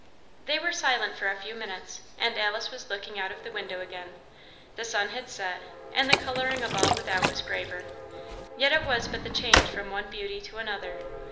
They were silent for a few minutes, and Alice was looking out of the window again. The sun had set, and the colouring of all without was graver. Yet it was but the change from one beauty to another.